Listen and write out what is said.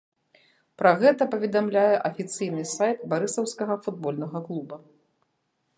Пра гэта паведамляе афіцыйны сайт барысаўскага футбольнага клуба.